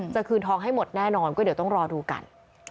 คืนทองให้หมดแน่นอนก็เดี๋ยวต้องรอดูกัน